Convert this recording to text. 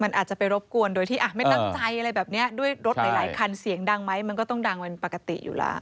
มันอาจจะไปรบกวนโดยที่ไม่ตั้งใจอะไรแบบนี้ด้วยรถหลายคันเสียงดังไหมมันก็ต้องดังเป็นปกติอยู่แล้ว